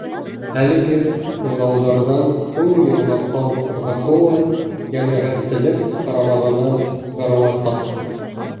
Әлеге тыңлауҙарҙан һуң йомғаҡлау протоколы йәмәғәтселек ҡарамағына сығарыласаҡ.